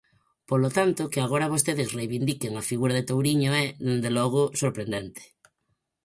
Polo tanto, que agora vostedes reivindiquen a figura de Touriño é, dende logo, sorprendente.